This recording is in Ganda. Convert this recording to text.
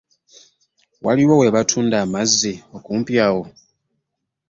Waliwo we batunda amazzi okumpi awo?